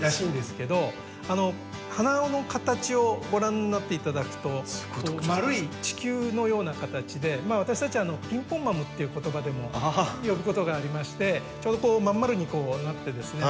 花の形をご覧になって頂くと丸い地球のような形で私たちはピンポンマムっていう言葉でも呼ぶことがありましてちょうどこうまん丸になってですね。